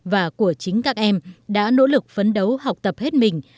và của chính các em đã nỗ lực phấn đấu học tập hết mình